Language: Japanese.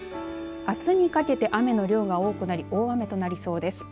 あすにかけて雨の量が多くなり大雨となりそうです。